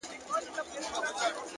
هره موخه تمرکز غواړي؛